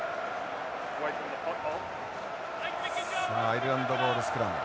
さあアイルランドボールスクラム。